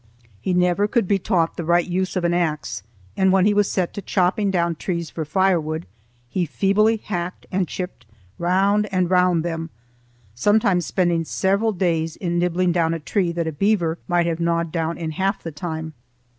He never could be taught the right use of an axe, and when he was set to chopping down trees for firewood he feebly hacked and chipped round and round them, sometimes spending several days in nibbling down a tree that a beaver might have gnawed down in half the time.